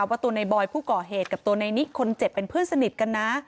ว่าตัวในบอยผู้ก่อเหตุกับตัวในนิกคนเจ็บเป็นเพื่อนสนิทกันนะ